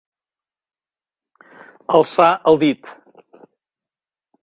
Alçar el dit.